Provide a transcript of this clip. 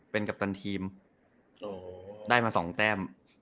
เป็นกัปตันทีมได้มา๒แต้ม